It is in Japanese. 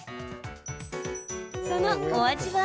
そのお味は？